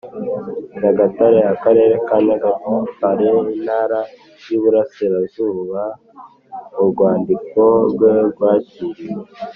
Nyagatare akarere ka nyagatare intara y iburasirazuba mu rwandiko rwe rwakiriwe